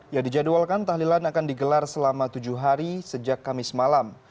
ya dijadwalkan tahlilan akan digelar selama tujuh hari sejak kamis malam